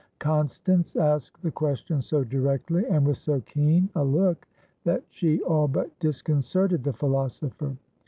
Constance asked the question so directly, and with so keen a look, that she all but disconcerted the philosopher.